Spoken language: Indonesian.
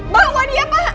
bawa dia pak